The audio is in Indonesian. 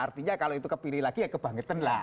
artinya kalau itu kepilih lagi ya kebangetan lah